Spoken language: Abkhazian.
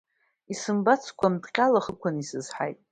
Исымбацкәа, Амҭҟьал ахықәан исызҳаит…